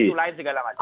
itu lain segala macam